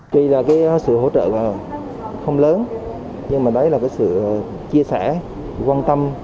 tuy là cái sự hỗ trợ không lớn nhưng mà đấy là cái sự chia sẻ quan tâm